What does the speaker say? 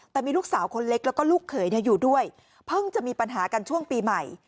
แต่มีลูกสาวคนเล็กแล้วก็ลูกเขยอยู่ด้วยเพิ่งจะมีปัญหากันช่วงปีใหม่